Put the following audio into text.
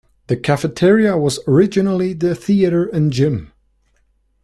The cafeteria was originally the theater and gym.